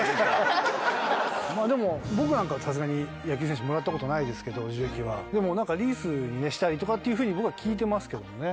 でも僕なんかはさすがに野球選手もらったことないですけど重機はでも。とかっていうふうに僕は聞いてますけどね。